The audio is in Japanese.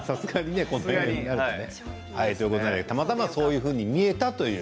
ということで、たまたまそういうふうに見えたという。